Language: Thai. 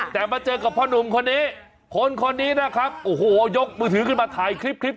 แต่มาเจอกับพ่อนุ่มคนนี้คนคนนี้นะครับโยกมือถือกลิปที่มาถ่ายคลิป